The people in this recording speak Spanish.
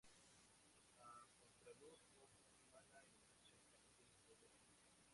A contraluz o con mala iluminación parece todo negro.